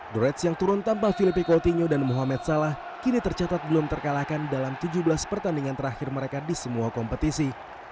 durets yang turun tanpa filipi coutinho dan mohamed salah kini tercatat belum terkalahkan dalam tujuh belas pertandingan terakhir mereka di semua kompetisi